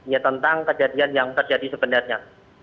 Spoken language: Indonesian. ya tentang kejadian yang terjadi sebenarnya